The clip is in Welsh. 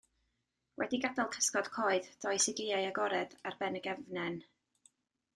Wedi gadael cysgod coed, dois i gaeau agored, ar ben y gefnen.